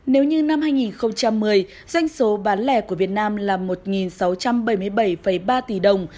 nếu như năm hai nghìn một mươi doanh số bán lẻ của việt nam là một sáu trăm bảy mươi bảy ba tỷ đồng